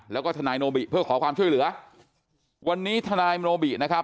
แล้วก็ทนายโนบิเพื่อขอความช่วยเหลือวันนี้ทนายโนบินะครับ